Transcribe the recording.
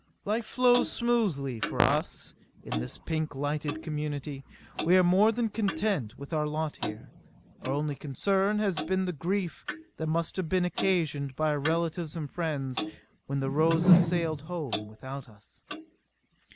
Life flows smoothly for us in this pink lighted community. We are more than content with our lot here. Our only concern has been the grief that must have been occasioned our relatives and friends when the Rosa sailed home without us.